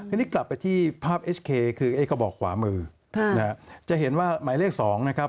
ทีนี้กลับไปที่ภาพเอสเคคือไอ้กระบอกขวามือจะเห็นว่าหมายเลข๒นะครับ